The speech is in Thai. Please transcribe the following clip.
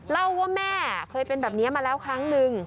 เล่าว่าแม่เคยเป็นแบบนี้มาแล้วครั้งนึง